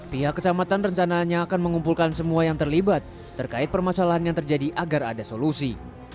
pihak kecamatan rencananya akan mengumpulkan semua yang terlibat terkait permasalahan yang terjadi agar ada solusi